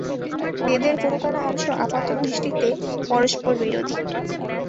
বেদের কোন কোন অংশ আপাত-দৃষ্টিতে পরস্পর-বিরোধী।